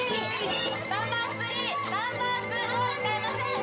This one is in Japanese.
ナンバー３、ナンバー２、ドア使えません。